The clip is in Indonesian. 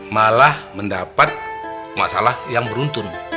malah mendapat masalah yang beruntun